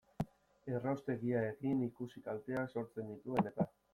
Erraustegia egin, ikusi kalteak sortzen dituen eta...